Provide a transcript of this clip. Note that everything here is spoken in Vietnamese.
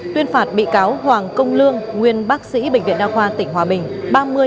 tuyên phạt bị cáo hoàng công lương nguyên bác sĩ bệnh viện đa khoa tỉnh hòa bình